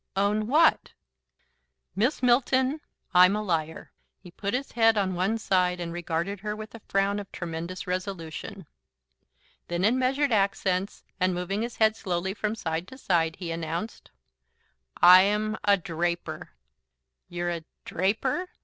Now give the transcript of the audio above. "Own what?" "Miss Milton I'm a liar." He put his head on one side and regarded her with a frown of tremendous resolution. Then in measured accents, and moving his head slowly from side to side, he announced, "Ay'm a deraper." "You're a draper?